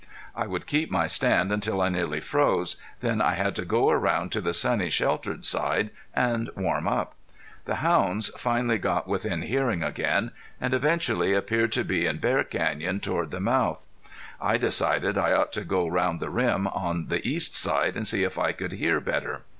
I would keep my stand until I nearly froze, then I had to go around to the sunny sheltered side and warm up. The hounds finally got within hearing again, and eventually appeared to be in Bear Canyon, toward the mouth. I decided I ought to go round the ridge on the east side and see if I could hear better.